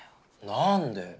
何で。